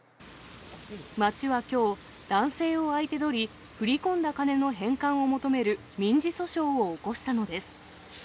町はきょう、男性を相手取り、振り込んだ金の返還を求める民事訴訟を起こしたのです。